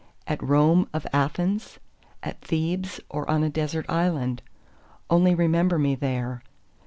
At Rome or Athens? At Thebes or on a desert island? Only remember me there!